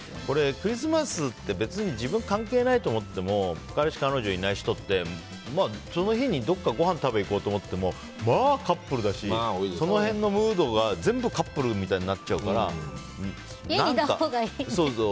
クリスマスって別に自分関係ないと思ってても彼氏、彼女がいない人ってその日にどこかごはん食べに行こうと思ってもまあ、カップルだしその辺のムードが全部カップルみたいに家にいたほうがいい。